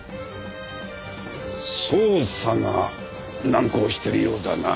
捜査が難航してるようだな